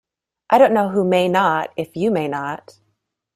I don't know who may not, if you may not.